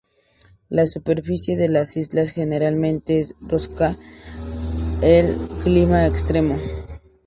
La superficie de las islas generalmente es rocosa, el clima extremo.